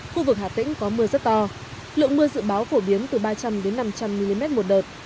khu vực hà tĩnh có mưa rất to lượng mưa dự báo phổ biến từ ba trăm linh năm trăm linh mm một đợt